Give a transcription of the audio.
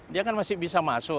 dia kan masih bisa masuk